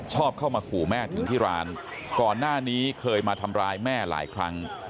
เข้ามาขู่แม่ถึงที่ร้านก่อนหน้านี้เคยมาทำร้ายแม่หลายครั้ง